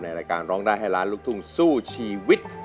รายการร้องได้ให้ล้านลูกทุ่งสู้ชีวิต